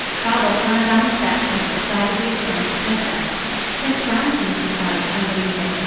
Baldos ran down the steps and to the side of the astonished princess. "Prince Dantan!" she cried, unbelieving.